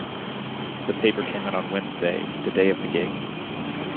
The paper came out on Wednesday, the day of the gig.